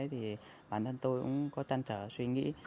thì bản thân tôi cũng có chăn trở suy nghĩ